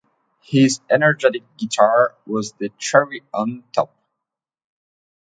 His energetic guitar was the cherry on top!